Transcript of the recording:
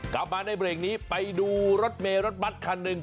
กลับมาในเบรกนี้ไปดูรถเมย์รถบัตรคันหนึ่ง